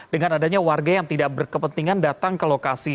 dengan adanya warga yang tidak berkepentingan datang ke lokasi